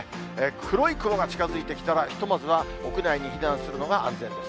黒い雲が近づいてきたら、ひとまずは屋内に避難するのが安全です。